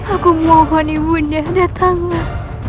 aku mohon ibu ratu datanglah